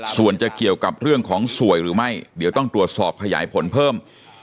ส่วนจะเกี่ยวกับเรื่องของสวยหรือไม่เดี๋ยวต้องตรวจสอบขยายผลเพิ่ม